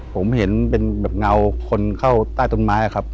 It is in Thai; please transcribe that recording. ผมเห็นเป็นแบบเงาคนเข้าใต้ต้นไม้ครับ